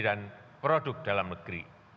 dan produk dalam negeri